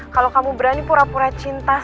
kalau kamu berani pura pura cinta sama saya